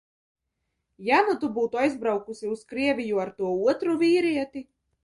Ja nu tu būtu aizbraukusi uz Krieviju ar to otru vīrieti?